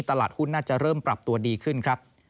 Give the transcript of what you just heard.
ตลาดหุ้นน่าจะเริ่มปรับตัวดีขึ้นครับ